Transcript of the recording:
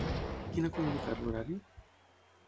Qui n'ha comunicat l'horari?